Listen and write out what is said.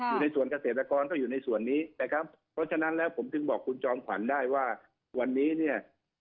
อยู่ในส่วนเกษตรกรก็อยู่ในส่วนนี้นะครับเพราะฉะนั้นแล้วผมถึงบอกคุณจอมขวัญได้ว่าวันนี้เนี่ย